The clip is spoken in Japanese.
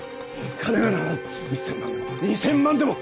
金なら払う１０００万でも２０００万でも。